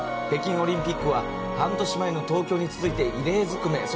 北京オリンピックは半年前の東京に続いて異例づくめ